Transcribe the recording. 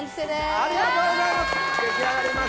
ありがとうございます！